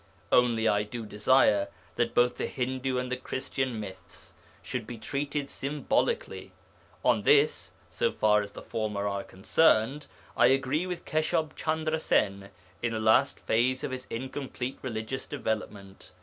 Only I do desire that both the Hindu and the Christian myths should be treated symbolically. On this (so far as the former are concerned) I agree with Keshab Chandra Sen in the last phase of his incomplete religious development.